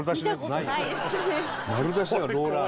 丸出しだよローラー。